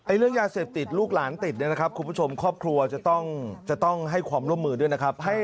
เรื่องยาเสพติดลูกหลานติดเนี่ยนะครับคุณผู้ชมครอบครัวจะต้องให้ความร่วมมือด้วยนะครับ